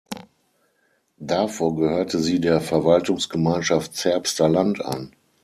Davor gehörte sie der Verwaltungsgemeinschaft Zerbster Land an.